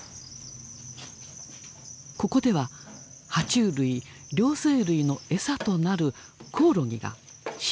ここではは虫類両生類の餌となるコオロギが飼育されている。